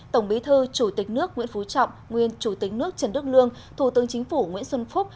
tổng bí thư chủ tịch nước nguyễn phú trọng nguyên chủ tịch nước trần đức lương thủ tướng chính phủ nguyễn xuân phúc